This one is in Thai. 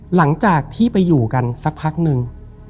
หลังจากที่ไปอยู่กันสักพักนึง